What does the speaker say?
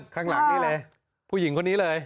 ข้างหลังนี่เลยผู้หญิงคนนี้เลย